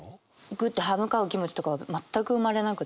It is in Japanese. グッて刃向かう気持ちとかは全く生まれなくて。